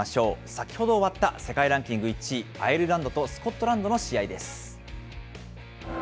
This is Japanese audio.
先ほど終わった世界ランキング１位、アイルランドとスコットランドの試合です。